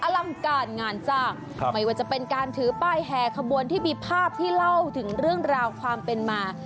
อลังการงานสร้างไม่ว่าจะเป็นการถือป้ายแห่ขบวนที่มีภาพที่เล่าถึงเรื่องราวความเป็นมา